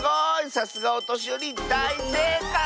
さすがおとしよりだいせいかい！